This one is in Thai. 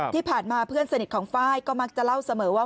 ที่ผ่านมาเพื่อนสนิทของไฟล์ก็มักจะเล่าเสมอว่า